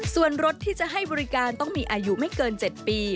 ส่วนรถที่จะให้บริการต้องมีอายุไม่เกิน๗ปี